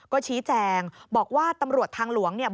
ก็ชี้แจงบอกว่าตำรวจทางหลวงเนี่ย